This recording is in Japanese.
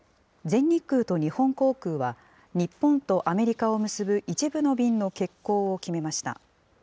全日空と日本航空は、日本とアメリカを結ぶ一部の便の欠航を決めました。